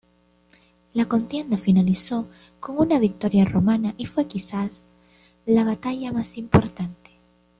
La contienda finalizó con una victoria romana y fue quizá la batalla más importante.